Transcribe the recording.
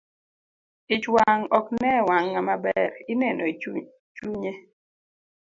Ich wang' ok ne e wang' ngama ber ineno e chunnye.